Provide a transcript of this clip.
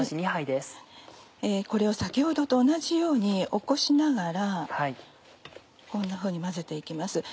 これを先ほどと同じように起こしながらこんなふうに混ぜて行きます。